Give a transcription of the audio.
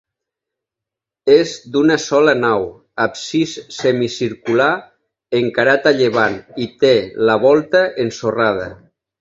És d'una sola nau, absis semicircular -encarat a llevant- i té la volta ensorrada.